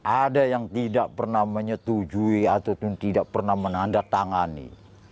ada yang tidak pernah menyetujui ataupun tidak pernah menandatangani